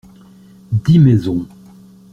Dix maisons.